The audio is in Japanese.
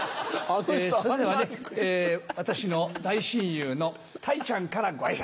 それではね私の大親友のたいちゃんからご挨拶！